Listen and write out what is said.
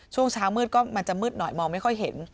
ช่วงเช้ามืดก็มันจะมืดหน่อยมองไม่ค่อยเห็น